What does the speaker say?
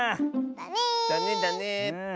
だねだね！